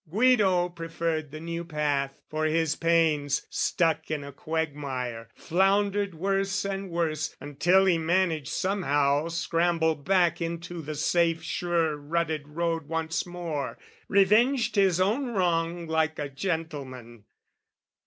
Guido preferred the new path, for his pains, Stuck in a quagmire, floundered worse and worse Until he managed somehow scramble back Into the safe sure rutted road once more, Revenged his own wrong like a gentleman.